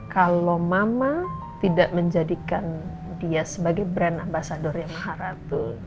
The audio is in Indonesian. kalau mama tidak menjadikan dia sebagai brand ambasadornya maharatu